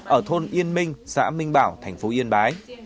ở thôn yên minh xã minh bảo tp yên bái